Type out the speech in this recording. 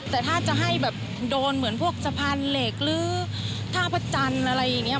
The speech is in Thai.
แต่ถ้าจะให้แบบโดนเหมือนพวกสะพานเหล็กหรือท่าพระจันทร์อะไรอย่างนี้